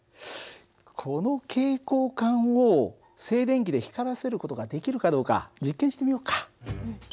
この蛍光管を静電気で光らせる事ができるかどうか実験してみようか。